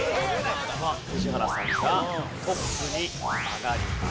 さあ宇治原さんがトップに上がります。